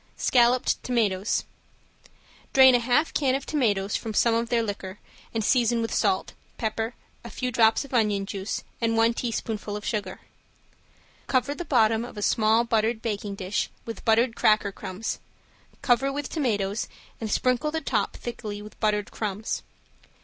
~SCALLOPED TOMATOES~ Drain a half can of tomatoes from some of their liquor and season with salt, pepper, a few drops of onion juice and one teaspoonful sugar. Cover the bottom of a small buttered baking dish with buttered cracker crumbs, cover with tomatoes and sprinkle the top thickly with buttered crumbs.